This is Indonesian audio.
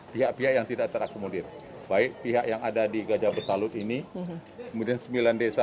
pihak pihak yang tidak terakomodir baik pihak yang ada di gajah betalut ini kemudian sembilan desa